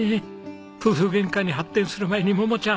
夫婦ゲンカに発展する前に桃ちゃん